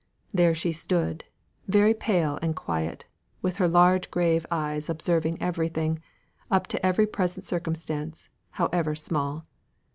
There she stood, very pale and quiet, with her large grave eyes observing everything up to every present circumstance however small.